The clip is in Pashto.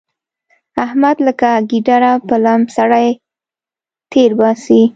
احمد لکه ګيدړه په لم سړی تېرباسي.